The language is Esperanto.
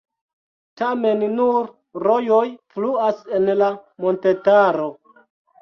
Tamen nur rojoj fluas en la montetaro.